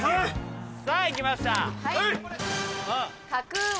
さぁ行きました。